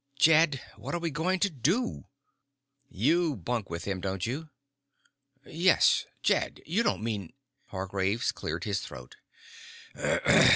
"Jed, what are we going to do?" "You bunk with him, don't you?" "Yes. Jed! You don't mean " Hargraves cleared his throat.